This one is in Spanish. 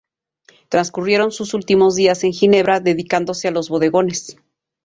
Transcurrieron sus últimos días en Ginebra, dedicándose a los "bodegones".